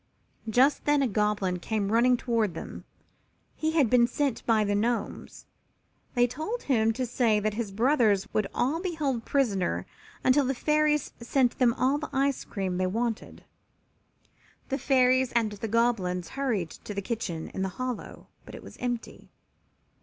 Just then a Goblin came running toward them. He had been sent by the Gnomes. They told him to say that his brothers would all be held prisoners until the Fairies sent them all the ice cream they wanted. The Fairies and the Goblins hurried to the kitchen in the hollow, but it was empty.